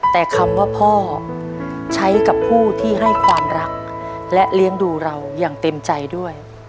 แต่คำว่าพ่อใช้กับผู้ที่ให้ความรักและเลี้ยงดูเราอย่างเต็มใจด้วย